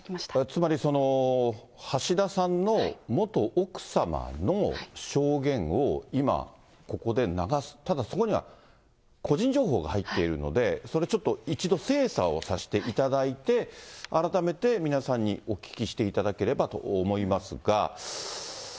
つまり、橋田さんの元奥様の証言を今、ここで流す、ただそこには個人情報が入っているので、それちょっと、一度精査をさせていただいて、改めて皆さんにお聞きしていただければと思いますが。